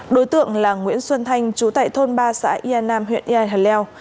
đối tượng là nguyễn xuân thanh chú tại thôn ba xã yà hà leo